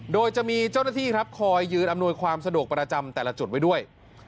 โดยจะมีเจ้าหน้าที่ครับคอยยืนอำนวยความสะดวกประจำแต่ละจุดไว้ด้วย